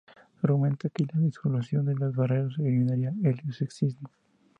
Se argumenta que la disolución de las barreras eliminaría el sexismo.